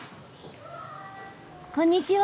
こんにちは。